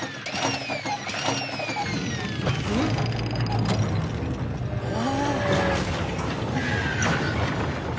うん？ああ。